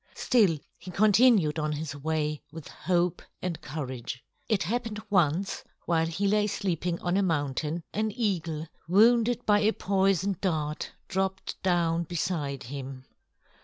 Still he continued on his way with hope and courage. It happened once, while he lay sleeping on a mountain, an eagle wounded by a poison dart dropped down beside him.